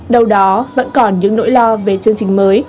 đâu đó vẫn còn những nỗi lo về chương trình mới